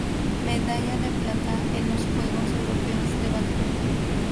Medalla de plata en los Juegos Europeos de Bakú.